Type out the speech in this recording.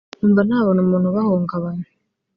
numva ntabona umuntu ubahungabanya